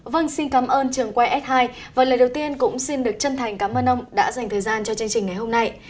vâng xin cảm ơn trường quay s hai và lời đầu tiên cũng xin được chân thành cảm ơn ông đã dành thời gian cho chương trình ngày hôm nay